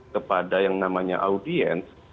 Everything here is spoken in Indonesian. kepada yang namanya audiens